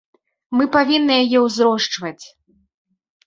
Мы павінны яе ўзрошчваць.